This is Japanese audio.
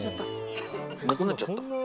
なくなっちゃった。